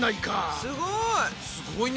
すごい！